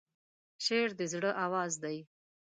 شعر د زړه آواز دی.